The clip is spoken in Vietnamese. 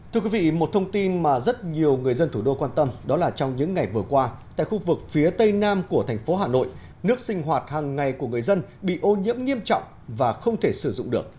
thưa quý vị một thông tin mà rất nhiều người dân thủ đô quan tâm đó là trong những ngày vừa qua tại khu vực phía tây nam của thành phố hà nội nước sinh hoạt hàng ngày của người dân bị ô nhiễm nghiêm trọng và không thể sử dụng được